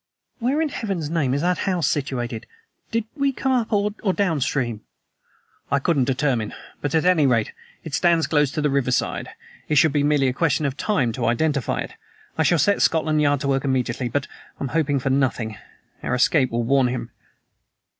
"Where in Heaven's name is that house situated? Did we come up or down stream?" "I couldn't determine. But at any rate, it stands close to the riverside. It should be merely a question of time to identify it. I shall set Scotland Yard to work immediately; but I am hoping for nothing. Our escape will warn him."